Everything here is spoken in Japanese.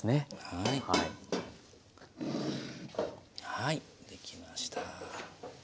はいできました。